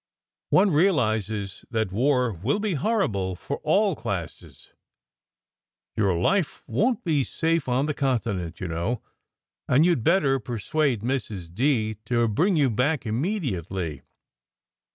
One realizes that war will be horrible for all classes. Your life won t be safe on the Continent, you know, and you d better persuade Mrs. D. to bring you back immediately.